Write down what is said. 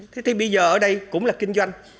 thế thì bây giờ ở đây cũng là kinh doanh